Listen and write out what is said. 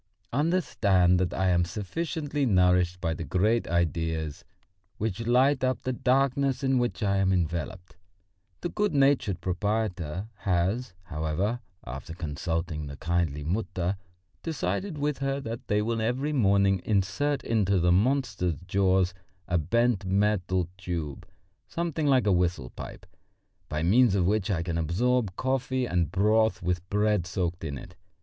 Understand that I am sufficiently nourished by the great ideas which light up the darkness in which I am enveloped. The good natured proprietor has, however, after consulting the kindly Mutter, decided with her that they will every morning insert into the monster's jaws a bent metal tube, something like a whistle pipe, by means of which I can absorb coffee or broth with bread soaked in it.